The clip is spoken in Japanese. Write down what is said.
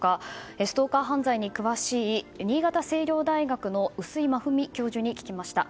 ストーカー犯罪に詳しい新潟青陵大学の碓井真史教授に聞きました。